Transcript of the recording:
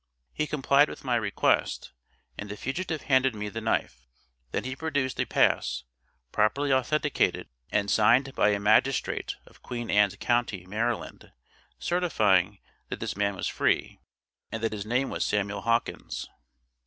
He complied with my request, and the fugitive handed me the knife. Then he produced a pass, properly authenticated, and signed by a magistrate of Queen Ann's county, Maryland, certifying that this man was free! and that his name was Samuel Hawkins.